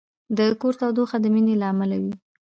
د کور تودوخه د مینې له امله وي.